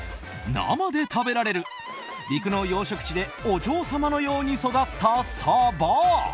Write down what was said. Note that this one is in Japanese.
生で食べられる陸の養殖地でお嬢様のように育ったサバ。